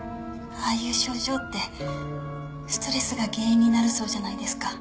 ああいう症状ってストレスが原因になるそうじゃないですか。